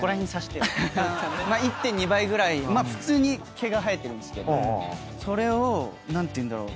普通に毛が生えてるんですけどそれを何ていうんだろう。